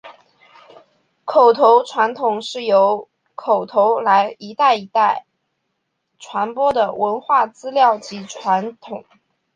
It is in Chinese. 口头传统是一种由口头来一代代传播的文化资料及传统。